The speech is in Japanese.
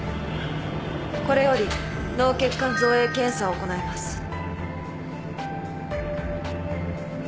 これより脳血管造影検査を行います。